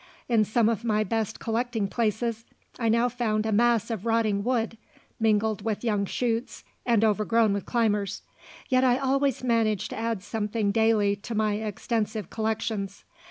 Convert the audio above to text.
In some of my best collecting places I now found a mass of rotting wood, mingled with young shoots, and overgrown with climbers, yet I always managed to add something daily to my extensive collections.